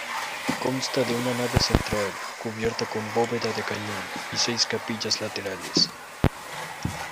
Consta de una nave central cubierta con bóveda de cañón y seis capillas laterales.